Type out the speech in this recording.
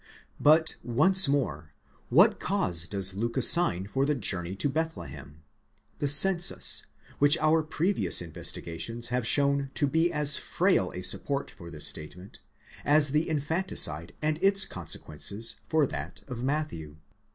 7 But, once more, what cause does Luke assign for the journey to Bethlehem? The census, which our previous investigations have shown to be as frail a support for this statement, as the infanticide and its consequences for that of Matthew.